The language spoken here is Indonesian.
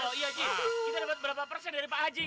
oh iya cik kita dapat berapa persen dari pak haji